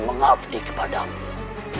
mengabdi kepada mu